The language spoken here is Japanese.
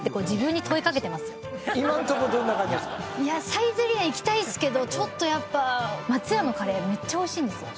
サイゼリヤ行きたいですけどちょっとやっぱ松屋のカレーめっちゃ美味しいんですよ。